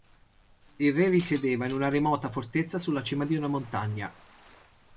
Il re risiedeva in una remota fortezza sulla cima di una montagna.